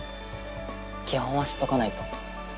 基本は知っとかないと。